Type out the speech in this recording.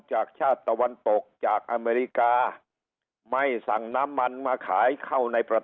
จากชาตะวันตกจากอเมริกา